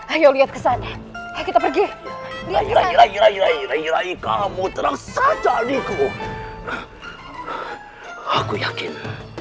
ayo lihat kesana ayo kita pergi rayi rayi rayi rayi kamu terang saja adikku aku yakin